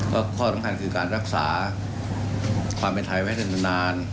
ก็ข้อสำคัญคือการรักษาความเป็นไทยไว้นาน